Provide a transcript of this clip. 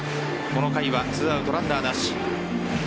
この回は２アウトランナーなし。